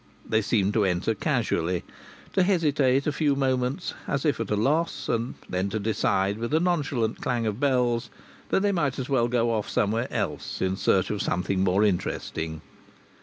They seemed to enter casually, to hesitate a few moments as if at a loss, and then to decide with a nonchalant clang of bells that they might as well go off somewhere else in search of something more interesting.